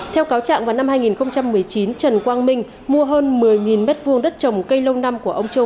theo cáo chạm vào năm hai nghìn một mươi chín trần quang minh mua hơn một mươi m hai đất trồng cây lông năm của ông châu